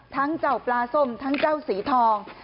ทั้งเจ้าปลาส้มทั้งเจ้าสีทอง